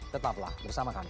tetaplah bersama kami